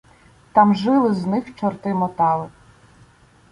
Там жили з них чорти мотали